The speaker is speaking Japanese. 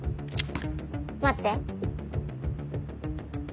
待って。